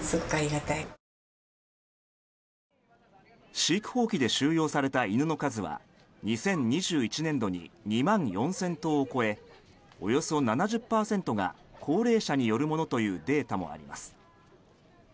飼育放棄で収容された犬の数は２０２１年度に２万４０００頭を超えおよそ７０％が高齢者によるものというデータもあります。